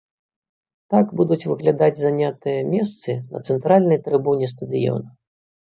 Так будуць выглядаць занятыя месцы на цэнтральнай трыбуне стадыёна.